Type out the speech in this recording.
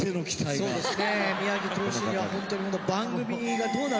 そうですね。